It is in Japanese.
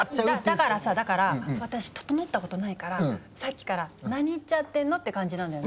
だからさだから私ととのったことないからさっきから「何言っちゃってんの？」って感じなんだよね。